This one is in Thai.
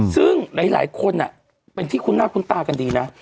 ซึ่งหลายคนน่ะเป็นที่คุณน่าคุณตากันดีนะ